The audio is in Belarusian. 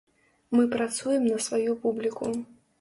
Мы працуем на сваю публіку.